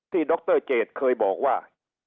ดรเจตเคยบอกว่า